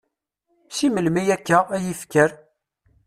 Si melmi akka, ay ifker?